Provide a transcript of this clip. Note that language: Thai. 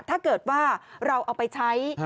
ถ้าเกิดว่าเราเอาไปใช้